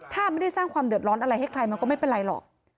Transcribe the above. ถ้าไม่ได้สร้างความเดือดร้อนอะไรให้ใครมันก็ไม่เป็นไรหรอก